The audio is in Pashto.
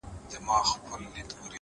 ډک لاس وتلی وم’ آخر تش دس ‘ ته ودرېدم ‘